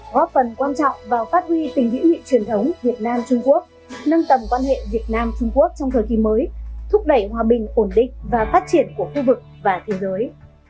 góp phần quan trọng vào phát huy tình hữu nghị truyền thống việt nam trung quốc nâng tầm quan hệ việt nam trung quốc trong thời kỳ mới thúc đẩy hòa bình ổn định và phát triển của khu vực và thế giới